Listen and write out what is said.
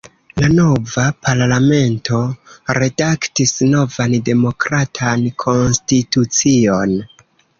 La nova Parlamento redaktis novan demokratan konstitucion.